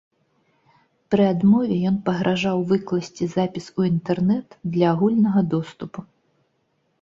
Пры адмове ён пагражаў выкласці запіс у інтэрнэт для агульнага доступу.